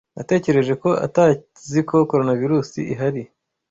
Natekereje ko ataziko Coronavirusi ihari